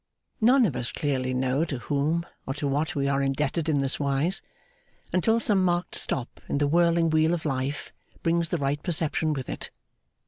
None of us clearly know to whom or to what we are indebted in this wise, until some marked stop in the whirling wheel of life brings the right perception with it.